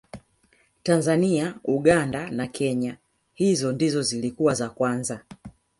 tanzania uganda na kenya hizo ndizo zilikuwa za kwanza